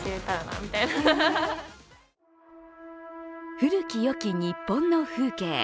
古きよき日本の風景。